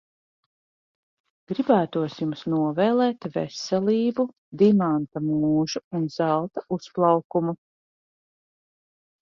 Gribētos jums novēlēt veselību, dimanta mūžu un zelta uzplaukumu.